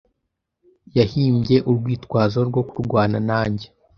Yahimbye urwitwazo rwo kurwana nanjye.